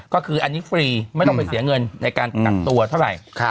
ก็คืออันนี้ฟรีไม่ต้องไปเสียเงินในการกักตัวเท่าไหร่